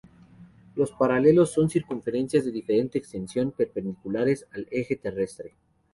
Los paralelos son circunferencias de diferente extensión, perpendiculares al eje terrestre.